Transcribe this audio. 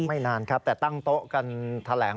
ไม่นานครับแต่ตั้งโต๊ะกันแถลง